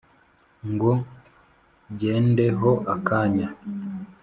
ngo byende ho akanya